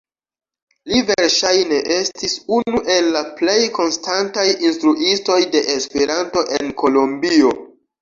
Li verŝajne estis unu el la plej konstantaj instruistoj de Esperanto en Kolombio.